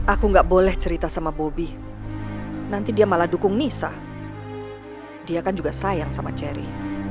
aku nggak boleh cerita sama bobi nanti dia malah dukung nisa dia kan juga sayang sama cherry